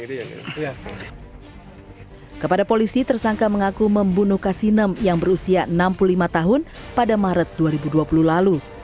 kepada polisi tersangka mengaku membunuh kasinem yang berusia enam puluh lima tahun pada maret dua ribu dua puluh lalu